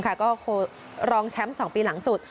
ก็คือรองแชมป์๒ปีหลังสุด